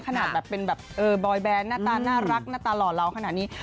ขนาดแบบเป็นแบบบอยแบนหน้าตาน่ารักหน้าตาหล่อเราขนาดนี้